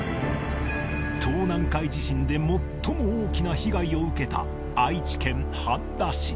東南海地震で最も大きな被害を受けた愛知県半田市